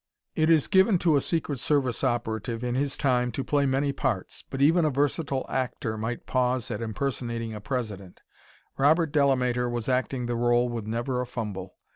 It is given to a Secret Service operative, in his time, to play many parts. But even a versatile actor might pause at impersonating a President. Robert Delamater was acting the role with never a fumble.